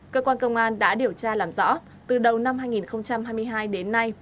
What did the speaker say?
cơ quan công an đã điều tra làm rõ từ đầu năm hai nghìn hai mươi hai đến nay